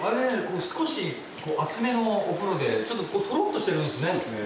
少し熱めのお風呂でちょっとトロッとしてるんですね。